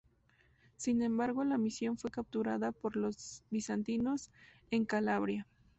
Sin embargo, la misión fue capturada por los bizantinos en Calabria.